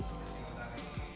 pembangunan beberapa diantaranya